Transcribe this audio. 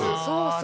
そう